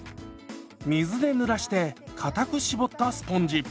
水でぬらしてかたく絞ったスポンジ。